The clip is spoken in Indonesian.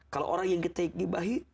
kalau orang yang kita hibahi